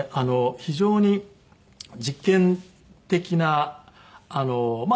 非常に実験的なまあ